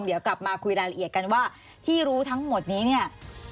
เดี๋ยวกลับมาคุยรายละเอียดกันว่าที่รู้ทั้งหมดนี้เนี่ย